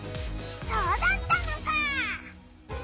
そうだったのか！